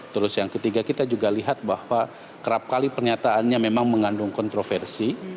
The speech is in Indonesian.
terus yang ketiga kita juga lihat bahwa kerap kali pernyataannya memang mengandung kontroversi